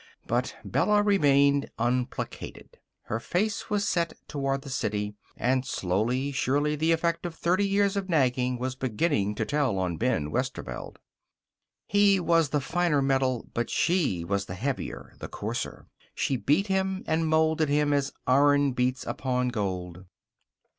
But Bella remained unplacated. Her face was set toward the city. And slowly, surely, the effect of thirty years of nagging was beginning to tell on Ben Westerveld. He was the finer metal, but she was the heavier, the coarser. She beat him and molded him as iron beats upon gold.